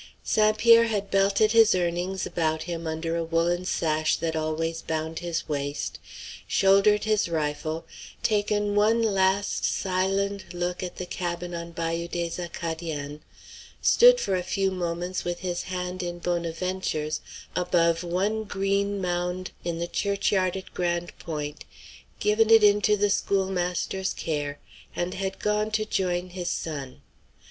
St. Pierre had belted his earnings about him under the woollen sash that always bound his waist, shouldered his rifle, taken one last, silent look at the cabin on Bayou des Acadiens, stood for a few moments with his hand in Bonaventure's above one green mound in the churchyard at Grande Pointe, given it into the schoolmaster's care, and had gone to join his son.